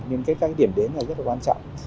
liên kết các điểm đến rất là quan trọng